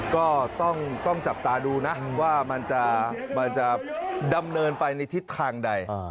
ก็ต้องจับตาดูนะว่ามันจะดำเนินไปในทิศทางใด